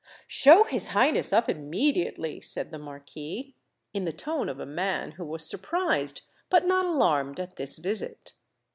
"Show his Highness up immediately," said the Marquis, in the tone of a man who was surprised but not alarmed at this visit.